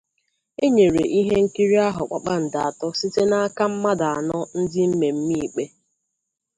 E nyere ihe nkiri ahụ kpakpando-atọ site na aka mmadụ anọ ndi mmemme ikpe.